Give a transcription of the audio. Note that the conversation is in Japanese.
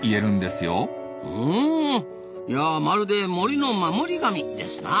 うんまるで森の守り神ですな。